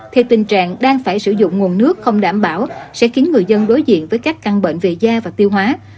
thì tình trạng đang phải sử dụng nguồn nước không đảm bảo sẽ khiến người dân đối diện với các căn bệnh về da và tiêu hóa